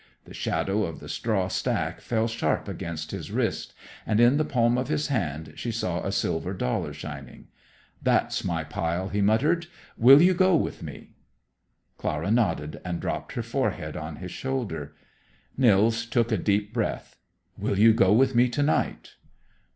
The shadow of the straw stack fell sharp across his wrist, and in the palm of his hand she saw a silver dollar shining. "That's my pile," he muttered; "will you go with me?" Clara nodded, and dropped her forehead on his shoulder. Nils took a deep breath. "Will you go with me to night?"